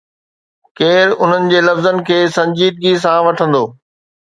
ڪير انهن جي لفظن کي سنجيدگي سان وٺندو؟